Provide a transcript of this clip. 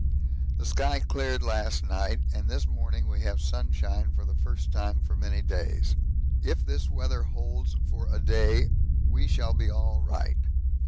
The sky cleared last night, and this morning we have sunshine for the first time for many days. If this weather holds for a day we shall be all right.